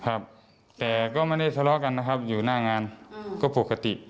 ครับแต่ว่ามันไม่มีสล้อกันนะครับอยู่หน้างานก็ปกติ